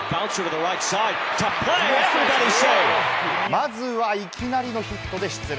まずは、いきなりのヒットで出塁。